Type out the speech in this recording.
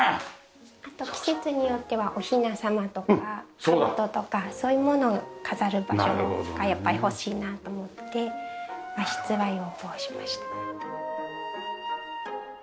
あと季節によってはおひな様とか兜とかそういうものを飾る場所がやっぱり欲しいなと思って和室は要望しました。